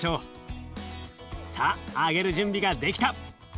さあ揚げる準備ができた！